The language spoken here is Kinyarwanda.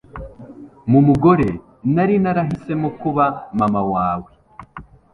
mu mugore nari narahisemo kuba mama wawe ..